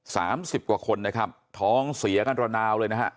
สามสิบกว่าคนนะครับท้องเสียกันระนาวเลยนะฮะ